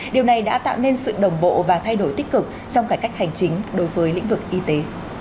điều này đã tạo nên sự đồng bộ và thay đổi tích cực trong cải cách hành chính đối với lĩnh vực y tế